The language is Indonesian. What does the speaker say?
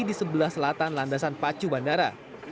di sebelah selatan landasan pacu bandara